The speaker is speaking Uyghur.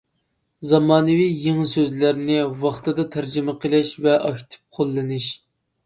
زامانىۋى يېڭى سۆزلەرنى ۋاقتىدا تەرجىمە قىلىش ۋە ئاكتىپ قوللىنىش.